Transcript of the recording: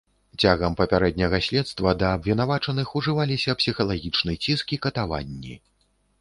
Цягам папярэдняга следства да абвінавачаных ужываліся псіхалагічны ціск і катаванні.